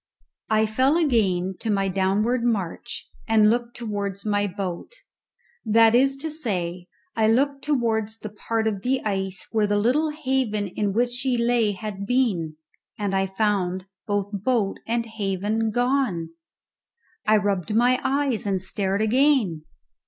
I fell again to my downward march and looked towards my boat that is to say, I looked towards the part of the ice where the little haven in which she lay had been, and I found both boat and haven gone! I rubbed my eyes and stared again.